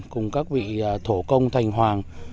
cùng các vị thổ công thành hoàng